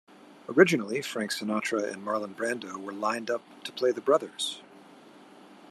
Originally Frank Sinatra and Marlon Brando were lined up to play the brothers.